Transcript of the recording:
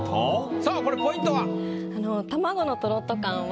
さあこれポイントは？